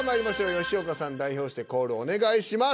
吉岡さん代表してコールお願いします。